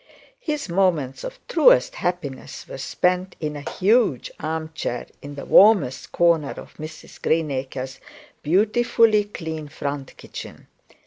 His moments of truest happiness were spent in a huge arm chair in the warmest corner of Mrs Greenacre's beautifully clean front kitchen.